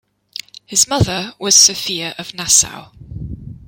His mother was Sophia of Nassau.